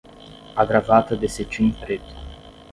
A gravata de cetim preto